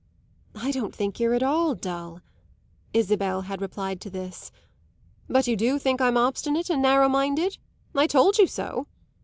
"I don't think you're at all dull," Isabel had replied to this. "But you do think I'm obstinate and narrow minded? I told you so!"